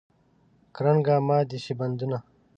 کرنګه مات دې شي بندونه.